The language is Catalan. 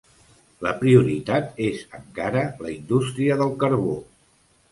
La prioritat és encara la indústria del carbó.